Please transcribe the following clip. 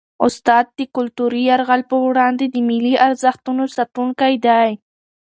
استاد د کلتوري یرغل په وړاندې د ملي ارزښتونو ساتونکی دی.